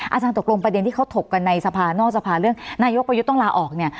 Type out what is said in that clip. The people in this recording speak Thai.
อาจารย์ตกลงประเด็นที่เขาถกกันในสภานอกสภาเรื่องนายกประยุทธ์ต้องลาออกเนี่ย